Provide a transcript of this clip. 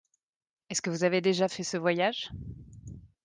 Est-ce que vous avez déjà fait ce voyage?